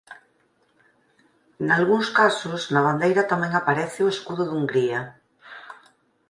Nalgúns casos na bandeira tamén aparece o Escudo de Hungría.